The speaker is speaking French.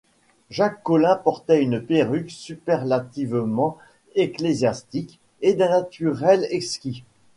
Jacques Collin portait une perruque superlativement ecclésiastique, et d’un naturel exquis.